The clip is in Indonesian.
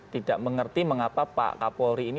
tidak mengerti mengapa pak kapolri ini